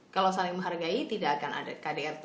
kalau saling menghargai tidak akan ada kdrt